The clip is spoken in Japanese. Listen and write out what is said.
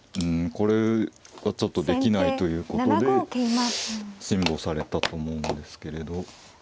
これはちょっとできないということで辛抱されたと思うんですけれど。